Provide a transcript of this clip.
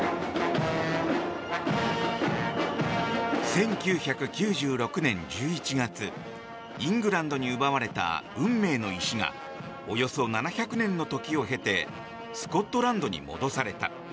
１９９６年１１月イングランドに奪われた運命の石がおよそ７００年の時を経てスコットランドに戻された。